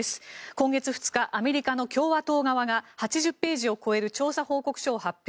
今月２日アメリカの共和党側が８０ページを超える調査報告書を発表。